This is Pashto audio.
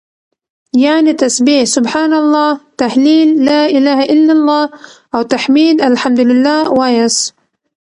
يعنې تسبيح سبحان الله، تهليل لا إله إلا الله او تحميد الحمد لله واياست